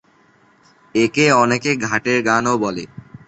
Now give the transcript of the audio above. একে অনেকে 'ঘাটের গান'-ও বলে।